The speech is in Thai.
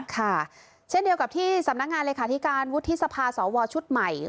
ค่ะเช่นเดียวกับที่สำนักงานเลขาธิการวุฒิสภาสวชุดใหม่